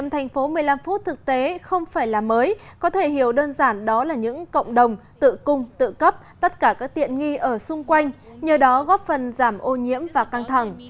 thành phố một mươi năm phút thực tế không phải là mới có thể hiểu đơn giản đó là những cộng đồng tự cung tự cấp tất cả các tiện nghi ở xung quanh nhờ đó góp phần giảm ô nhiễm và căng thẳng